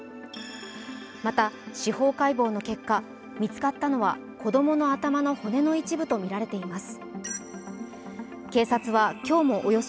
また司法解剖の結果、見つかったのは子供の頭の骨の一部とみられています。